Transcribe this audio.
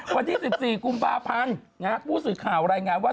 วันนี้๑๔กุมประพันธ์ลูกศึกข่าวรายงานว่า